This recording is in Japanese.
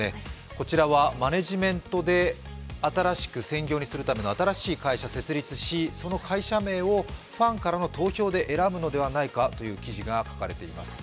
こちらはマネジメントで新しい会社を設立し、その会社名をファンからの投票で選ぶのではないかという記事が書かれています。